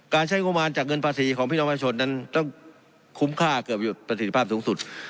การใช้งบมารจากเงินภาษีของพี่นอมพระสมส่วนนั้นต้องคุ้มค่าเกือบอยู่ปฏิภาพสูงสุด